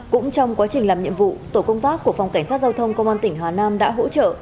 cũng trong quá trình làm nhiệm vụ tổ công tác của phòng cảnh sát giao thông công an tỉnh hà nam đã hỗ trợ